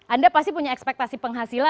anda pasti punya ekspektasi penghasilan